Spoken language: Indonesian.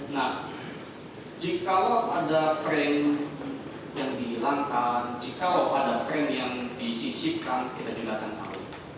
nah jika ada frame yang dihilangkan jika ada frame yang disisipkan kita juga akan tahu